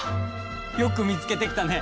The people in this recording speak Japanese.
よく見つけてきたね！